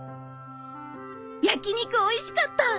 「焼き肉おいしかった！